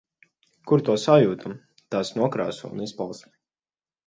Kur to sajūtam, tās nokrāsu un izpausmi.